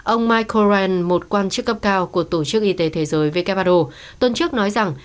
ông michael một quan chức cấp cao của tổ chức y tế thế giới who tuần trước nói rằng